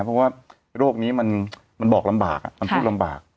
เพราะว่าโรคนี้มันบอกลำบากมันพูดลำบาก